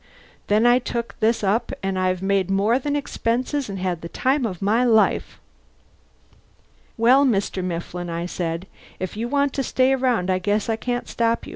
Then I took this up and I've made more than expenses and had the time of my life." "Well, Mr. Mifflin," I said, "if you want to stay around I guess I can't stop you.